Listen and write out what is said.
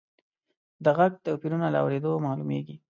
د غږ توپیرونه له اورېدلو معلومیږي.